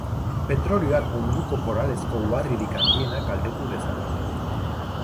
Petrolioak munduko koralezko uharririk handiena kaltetu dezake.